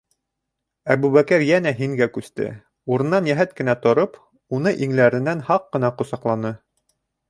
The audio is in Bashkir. - Әбүбәкер йәнә «һин»гә күсте, урынынан йәһәт кенә тороп, уны иңләренән һаҡ ҡына ҡосаҡланы.